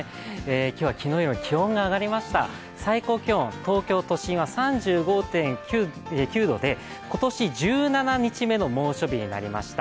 今日は昨日より気温が上がりました、最高気温東京都心は３５．９度で今年１７日目の猛暑日になりました。